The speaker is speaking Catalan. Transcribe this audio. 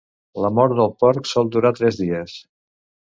La mort del porc sol durar tres dies.